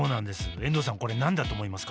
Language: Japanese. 遠藤さんこれ何だと思いますか？